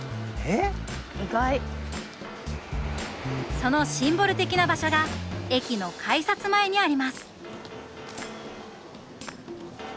そのシンボル的な場所が駅の改札前にあります。